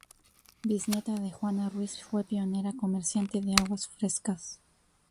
Bisnieta de Juana Ruiz fue pionera comerciante de aguas frescas.